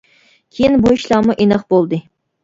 كېيىن بۇ ئىشلارمۇ ئېنىق بولدى.